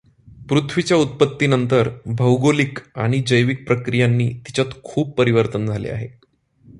पृथ्वीच्या उत्पत्ती नंतर भौगोलिक आणि जैविक प्रक्रियांनी तिच्यात खूप परिवर्तन झाले आहे.